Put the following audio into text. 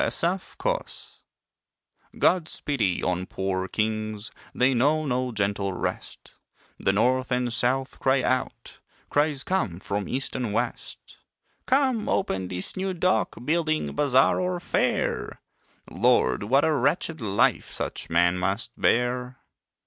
POOR KINGS God's pity on poor kings, They know no gentle rest; The North and South cry out, Cries come from East and West "Come, open this new Dock, Building, Bazaar or Fair." Lord, what a wretched life Such men must bear.